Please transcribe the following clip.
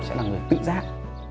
sẽ là người tự giác